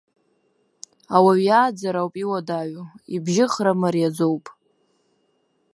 Ауаҩы иааӡара ауп иуадаҩу, ибжьыхра мариаӡоуп.